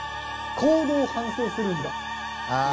行動を反省するんだ。